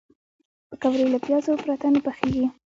پکورې له پیازو پرته نه پخېږي